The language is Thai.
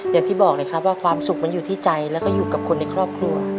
อย่างที่บอกเลยครับว่าความสุขมันอยู่ที่ใจแล้วก็อยู่กับคนในครอบครัว